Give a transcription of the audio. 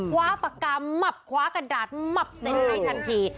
คว้าปากกาคว้ากระดาษคว้าเซ็นต์ให้ทันที